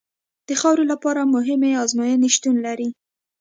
د خاورې لپاره مهمې ازموینې شتون لري